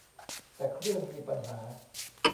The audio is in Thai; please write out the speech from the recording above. แต่เครื่องมีปัญหา